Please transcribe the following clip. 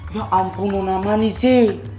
ya ampun nona manis sih